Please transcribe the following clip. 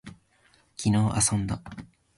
昨日遊んだ